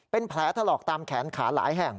เป็นแผลถลอกตามแขนขาหลายแห่ง